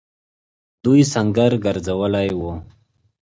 دوی سنګر گرځولی وو.